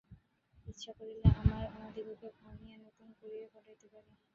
ইচ্ছা করিলে আমরা আমাদিগকে ভাঙিয়া নূতন করিয়া গড়িতে পারি।